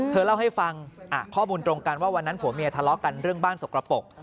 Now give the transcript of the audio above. เธอเล่าให้ฟังข้อมูลตรงกันว่าวันนั้นผัวเมียทะเลาะกันเรื่องบ้านสกระปก